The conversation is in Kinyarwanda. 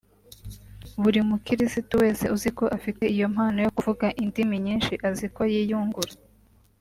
Buri mukiristu wese uziko afite iyo mpano yo kuvuga indimi nyinshi azi ko yiyungura